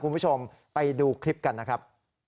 คุณผู้ชมไปดูคลิปกันนะครับ